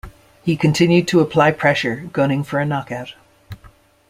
He continued to apply pressure, gunning for a knockout.